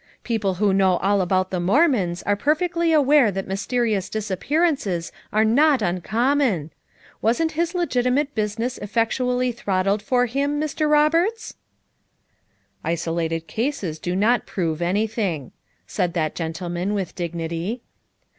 People who know all about the Mormons are per fectly aware that mysterious disappearances are not uncommon. Wasn't his legitimate business effectually throttled for him, Mr. Roberts V 9 FOUR MOTHERS AT CHAUTAUQUA 195 "Isolated cases do not prove anything," said that gentleman with dignity.